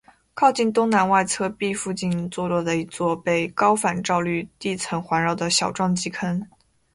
靠近东南外侧壁附近坐落了一座被高反照率地层环绕的小撞击坑。